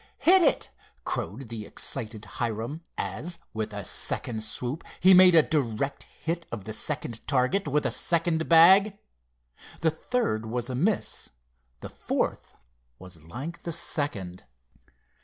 "Hit it!" crowed the excited Hiram as, with a second swoop, he made a direct hit of the second target with a second bag. The third was a miss. The fourth was like the second.